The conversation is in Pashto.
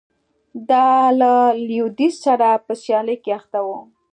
دا له لوېدیځ سره په سیالۍ کې اخته و